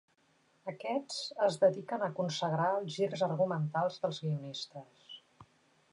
Aquests es dediquen a consagrar els girs argumentals dels guionistes.